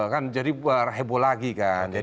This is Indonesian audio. kan jadi heboh lagi kan